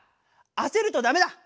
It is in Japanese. あせるとだめだ。